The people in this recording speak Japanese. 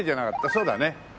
そうだね。